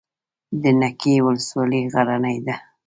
د نکې ولسوالۍ غرنۍ ده